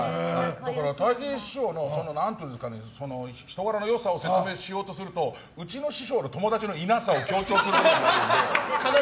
たい平師匠の人柄の良さを説明しようとするとうちの師匠の友達のいなさを強調することになるので。